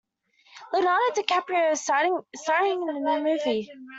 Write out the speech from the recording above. Leonardo DiCaprio is staring in the new movie.